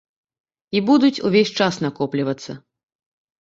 І будуць увесь час накоплівацца.